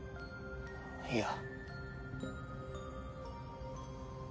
いや。